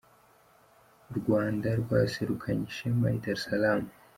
U Rwanda rwaserukanye ishema i Dar Es Slaam.